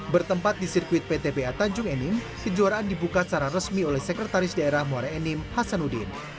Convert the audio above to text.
bertempat di sirkuit ptba tanjung enim kejuaraan dibuka secara resmi oleh sekretaris daerah muara enim hasanuddin